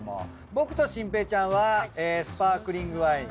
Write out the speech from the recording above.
僕と心平ちゃんはスパークリングワイン。